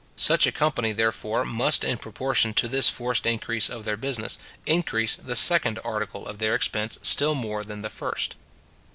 Such a company, therefore, must in proportion to this forced increase of their business, increase the second article of their expense still more than the first.